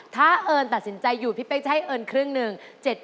ถ้าเอิญตัดสินใจอยู่พี่เป๊กจะให้เอิญครึ่งหนึ่ง